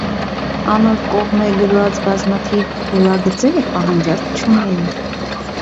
Անոր կողմէ գրուած բազմաթիւ ուրուագիծները պահանջարկ չունէին։